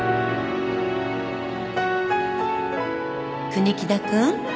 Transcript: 「国木田くん」